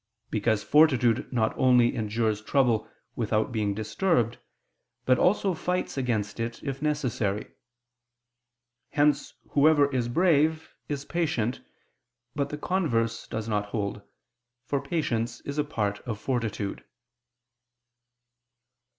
Because fortitude not only endures trouble without being disturbed, but also fights against it if necessary. Hence whoever is brave is patient; but the converse does not hold, for patience is a part of fortitude.